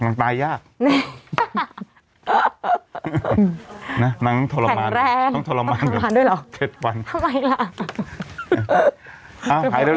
น้องตายยากน่ะน้องต้องทรมานแข็งแร้ต้องทรมานต้องทรมานด้วยหรอ